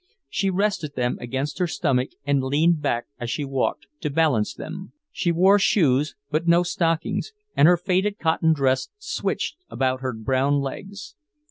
She rested them against her stomach and leaned back as she walked, to balance them. She wore shoes, but no stockings, and her faded cotton dress switched about her brown legs.